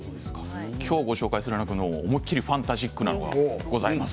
今日ご紹介する映画にも思い切りファンタジックなものがございます。